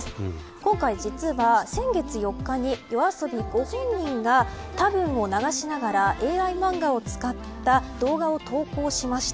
今回、実は先月４日にＹＯＡＳＯＢＩご本人がたぶんを流しながらＡＩマンガを使った動画を投稿しました。